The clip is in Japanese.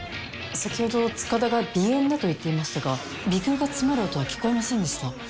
先ほど塚田が鼻炎だと言っていましたが鼻腔が詰まる音は聞こえませんでした。